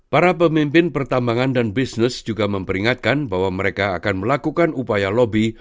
para pemimpin pertambangan dan bisnis juga memperingatkan bahwa mereka akan melakukan upaya lobby